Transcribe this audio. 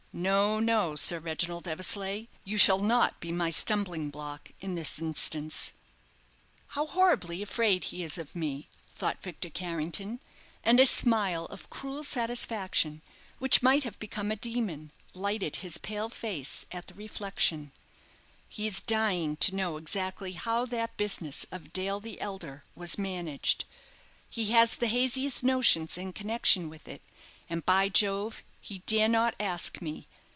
"No, no, Sir Reginald Eversleigh, you shall not be my stumbling block in this instance. How horribly afraid he is of me," thought Victor Carrington, and a smile of cruel satisfaction, which might have become a demon, lighted his pale face at the reflection; "he is dying to know exactly how that business of Dale the elder was managed; he has the haziest notions in connection with it, and, by Jove, he dare not ask me.